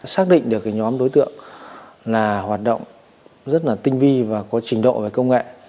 xác định được nhóm đối tượng là hoạt động rất là tinh vi và có trình độ về công nghệ